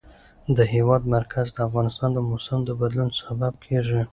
د هېواد مرکز د افغانستان د موسم د بدلون سبب کېږي.